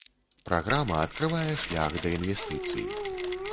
Праграма адкрывае шлях да інвестыцый.